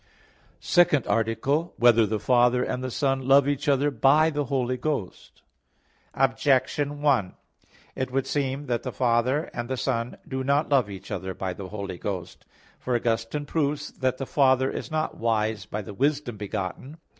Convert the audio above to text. _______________________ SECOND ARTICLE [I, Q. 37, Art. 2] Whether the Father and the Son Love Each Other by the Holy Ghost? Objection 1: It would seem that the Father and the Son do not love each other by the Holy Ghost. For Augustine (De Trin. vii, 1) proves that the Father is not wise by the Wisdom begotten.